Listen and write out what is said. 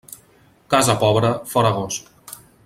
Casa pobra, fora gos.